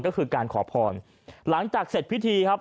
ก็คือการขอพรหลังจากเสร็จพิธีครับ